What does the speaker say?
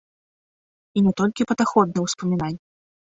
І не толькі падаходны ўспамінай.